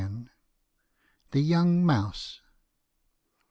THE YOUNG MOUSE.